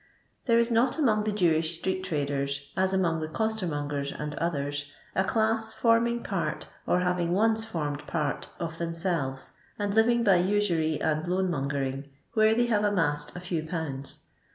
There it not among the Jewish street traders, as among the costermongers and others, a class forming part, or having once formed part of them selves, and Uving by usury and loan mongering, where they have amassed a few pounds.